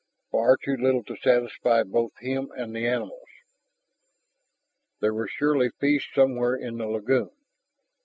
Far too little to satisfy both him and the animals. There were surely fish somewhere in the lagoon.